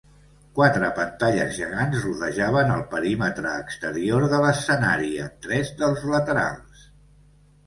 Quatre pantalles gegants rodejaven el perímetre exterior de l'escenari, en tres dels laterals.